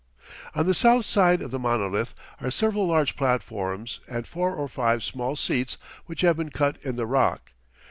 On the south side of the monolith are several large platforms and four or five small seats which have been cut in the rock.